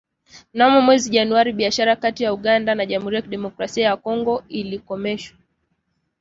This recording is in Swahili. Mnamo mwezi Januari biashara kati ya Uganda na Jamuhuri ya Demokrasia ya Kongo ilikomeshwa